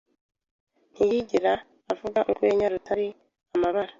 ntiyigera avuga urwenya rutari amabara.